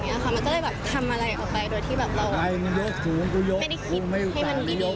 มันก็ได้แบบทำอะไรก็ทำอะไรโดยที่เราไม่ได้คิดให้มันดีก่อน